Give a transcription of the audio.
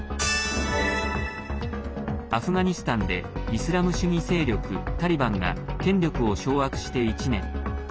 アフガニスタンでイスラム主義勢力タリバンが権力を掌握して１年。